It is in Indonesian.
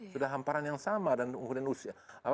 sudah hamparan yang sama dan unggulin usia